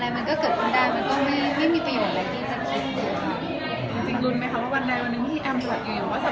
มันก็เกิดขึ้นได้มันก็ไม่มีประโยชน์อะไรที่จะคิดเลยค่ะ